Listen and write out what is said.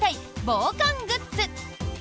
防寒グッズ。